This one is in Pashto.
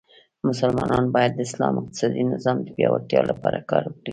مسلمانان باید د اسلام اقتصادې نظام د پیاوړتیا لپاره کار وکړي.